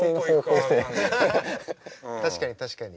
確かに確かに。